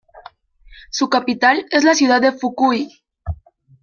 Su capital es la ciudad de Fukui.